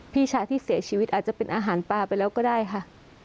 พี่ชายที่เสียชีวิตอาจจะเป็นอาหารปลาไปแล้วก็ได้ค่ะ